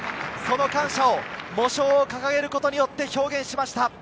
その感謝を喪章を掲げることによって表現しました。